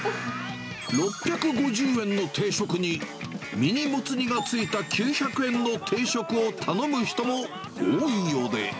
６５０円の定食に、ミニもつ煮がついた９００円の定食を頼む人も多いようで。